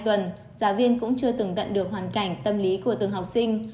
trường giáo viên cũng chưa từng tận được hoàn cảnh tâm lý của từng học sinh